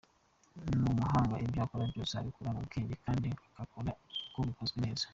Ni umuhanga ibyo akora byose abikora mu bwenge kandi ukabona ko bikozwe neza.